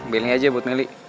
pilih aja buat milih